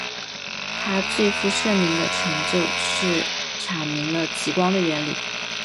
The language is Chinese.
他最负盛名的成就是阐明了极光的原理。